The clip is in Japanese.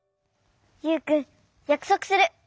ユウくんやくそくする。